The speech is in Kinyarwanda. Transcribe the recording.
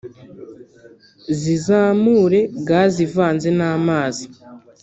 zizamure gaz ivanze n’amazi